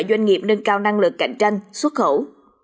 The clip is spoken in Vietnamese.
doanh nghiệp nâng cao năng lực cạnh tranh xuất khẩu